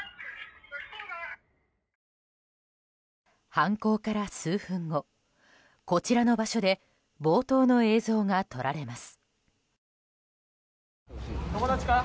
犯行から数分後こちらの場所で冒頭の映像が撮られます。